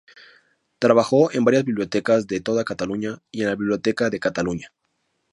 Trabajó en varias bibliotecas de toda Cataluña y en la Biblioteca de Cataluña.